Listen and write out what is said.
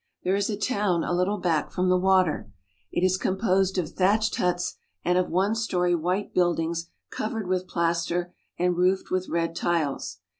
There is a town a little back from the water. It is com posed of thatched huts and of one story white buildings covered with plaster and roofed with red tiles.